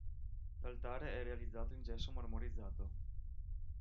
L'altare è realizzato in gesso marmorizzato.